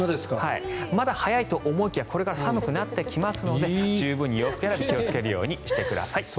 まだ早いと思いきやこれから寒くなってきますので十分に気をつけるようにしてください。